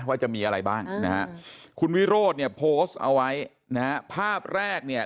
ว่าจะมีอะไรบ้างนะฮะคุณวิโรธเนี่ยโพสต์เอาไว้นะฮะภาพแรกเนี่ย